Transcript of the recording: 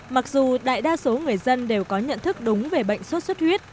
mặc dù đại đa số người dân đều có nhận thức đúng về bệnh suốt suốt huyết